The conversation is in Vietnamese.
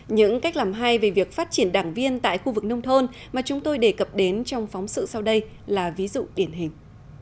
những cách làm hay về việc phát triển đảng viên tại khu vực nông thôn mà chúng tôi đề cập đến trong phóng sự sau đây là ví dụ điển hình